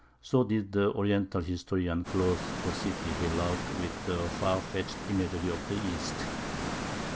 So did the Oriental historian clothe the city he loved with the far fetched imagery of the East.